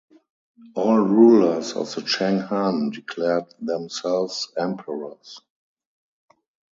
All rulers of the Cheng Han declared themselves "emperors".